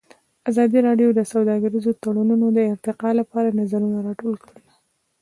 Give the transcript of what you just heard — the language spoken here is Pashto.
ازادي راډیو د سوداګریز تړونونه د ارتقا لپاره نظرونه راټول کړي.